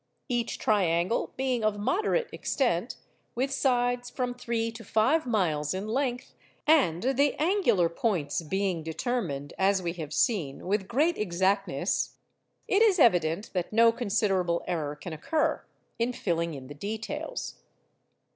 Each triangle being of moderate extent, with sides from three to five miles in length, and the angular points being determined, as we have seen, with great exactness, it is evident that no considerable error can occur in filling in the details.